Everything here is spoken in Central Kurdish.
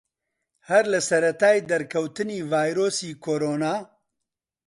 هەر لە سەرەتای دەرکەوتنی ڤایرۆسی کۆرۆنا